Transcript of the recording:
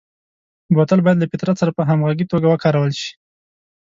بوتل باید له فطرت سره په همغږي توګه وکارول شي.